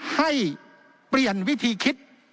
ให้เปลี่ยนวิธีคิด